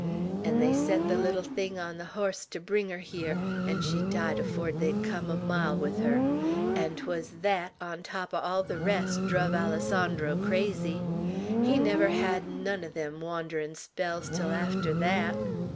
'N' they set the little thing on the hoss ter bring her here, 'n' she died afore they'd come a mile with her; 'n' 't wuz thet, on top er all the rest druv Alessandro crazy. He never hed none er them wandrin' spells till arter thet.